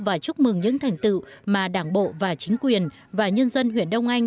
và chúc mừng những thành tựu mà đảng bộ và chính quyền và nhân dân huyện đông anh